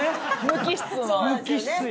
無機質。